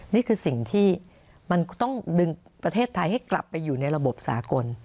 นี่คือสิ่งที่มันต้องดึงประเทศไทยให้กลับไปอยู่ในระบบสากล